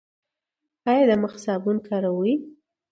ایا د مخ صابون کاروئ؟